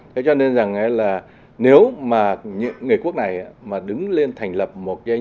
thế cho nên rằng là nếu mà người quốc này mà đứng lên thành lập một cái nhà nước